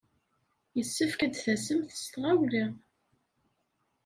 Yessefk ad d-tasemt s tɣawla.